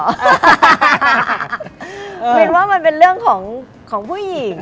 วินว่ามันเป็นเรื่องของผู้หญิง